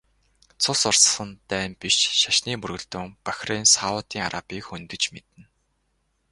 Цус урсгасан дайн биш ч шашны мөргөлдөөн Бахрейн, Саудын Арабыг хөндөж мэднэ.